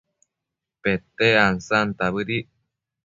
Pete ansanta bëdic